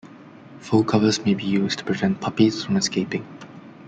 Full covers may be used to prevent puppies from escaping.